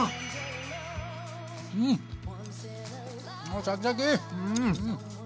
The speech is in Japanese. あシャキシャキ！